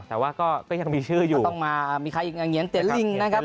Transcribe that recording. แต่ว่าก็ยังมีชื่ออยู่ต้องมามีใครอีกเหงียนเตี๋ยลิงนะครับ